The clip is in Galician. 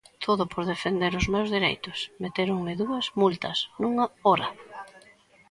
Todo por defender os meus dereitos, metéronme dúas multas nunha hora.